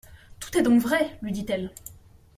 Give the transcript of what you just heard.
Tout est donc vrai, lui dit-elle.